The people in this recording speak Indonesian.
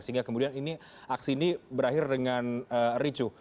sehingga kemudian ini aksi ini berakhir dengan ricu